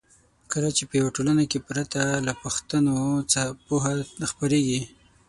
کله چې په یوه ټولنه کې پرته له پوښتنو پوهه خپریږي.